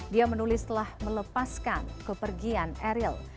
dia menulis telah melepaskan kepergian eril